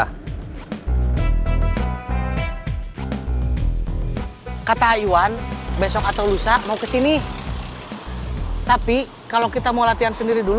hai kata iwan besok atau lusa mau kesini tapi kalau kita mau latihan sendiri dulu